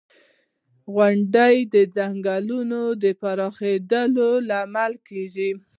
• غونډۍ د ځنګلونو د پراخېدو لامل کېږي.